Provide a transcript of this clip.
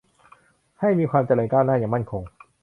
ให้มีความเจริญก้าวหน้าอย่างมั่นคง